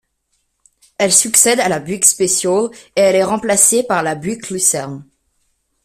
Elle succède à la Buick Special et elle est remplacée par la Buick Lucerne.